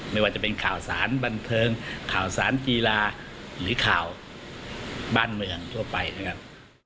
ไม่ว่าจะเป็นข่าวสารบันเทิงข่าวสารกีฬาหรือข่าวบ้านเมืองทั่วไปนะครับ